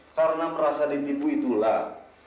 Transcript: karena perasaan ditipu itulah